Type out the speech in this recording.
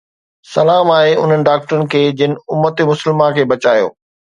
سلام آهي انهن ڊاڪٽرن کي جن امت مسلمه کي بچايو